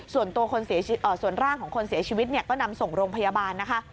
ส่วนตัวคนเสียชีวิตส่วนร่างของคนเสียชีวิตก็นำส่งโรงพยาบาลนะคะ